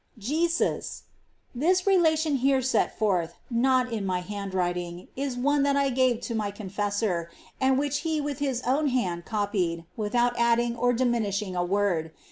Jesus. This Eelation here set forth, not in my handwriting, is one that I gave to my confessor, and which he with his own hand copied, without adding or diminishing a word.